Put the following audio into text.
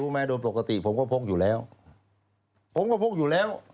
มาโดยปกติผมก็พกอยู่แล้วผมก็พกอยู่แล้ว